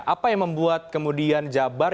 apa yang membuat kemudian jabar